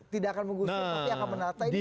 tidak akan menggusur tapi akan menata ini